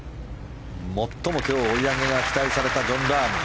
最も今日は追い上げが期待されたジョン・ラーム。